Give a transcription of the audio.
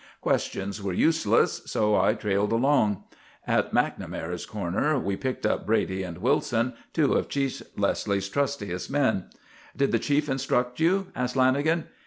Questions were useless, so I trailed along. At Macnamara's corner we picked up Brady and Wilson, two of Chief Leslie's trustiest men. "Did the chief instruct you?" asked Lanagan.